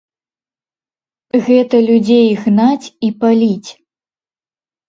Гэта людзей гнаць і паліць!